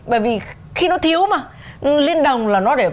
bởi vì khi nó thiếu mà